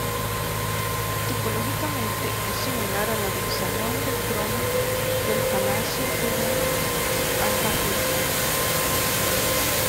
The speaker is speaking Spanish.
Tipológicamente es similar a la del Salón del Trono del Palacio de la Aljafería.